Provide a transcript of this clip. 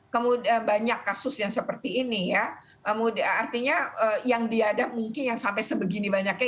kemudian banyak kasus yang seperti ini ya artinya yang diadap mungkin yang sampai sebegini banyaknya